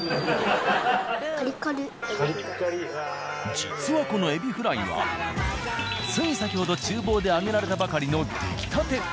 実はこのエビフライはつい先ほど厨房で揚げられたばかりの出来たて。